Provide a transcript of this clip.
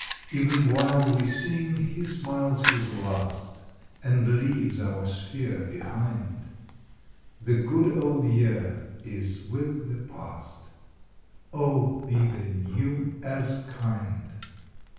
Even while we sing he smiles his last, And leaves our sphere behind. The good old year is with the past; Oh be the new as kind!